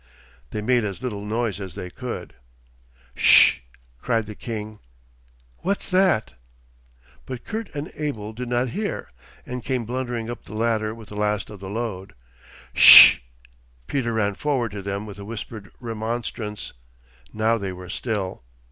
They made as little noise as they could.... 'Ssh!' cried the king. 'What's that?' But Kurt and Abel did not hear, and came blundering up the ladder with the last of the load. 'Ssh!' Peter ran forward to them with a whispered remonstrance. Now they were still.